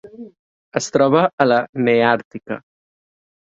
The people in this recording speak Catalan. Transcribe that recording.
Es troba a la Neàrtica.